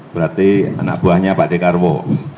berarti anak buahnya pak dekarwo